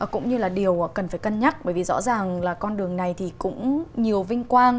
cũng như là điều cần phải cân nhắc bởi vì rõ ràng là con đường này thì cũng nhiều vinh quang